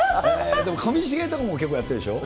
でも上重とかも結構やってるでしょう。